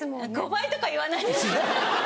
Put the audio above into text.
５倍とか言わないで。